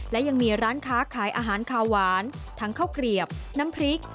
และยังมีร้านค้าขายอาหารขาวหวานทั้งข้าวเกลียบน้ำพริก